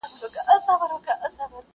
د کوترو د چوغکو فریادونه!